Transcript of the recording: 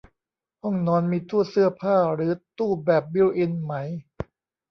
ห้องนอนมีตู้เสื้อผ้าหรือตู้แบบบิลท์อินไหม